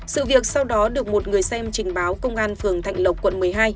sự việc sau đó được một người xem trình báo công an phường thạnh lộc quận một mươi hai